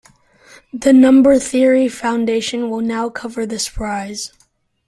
The Number Theory Foundation will now cover this prize.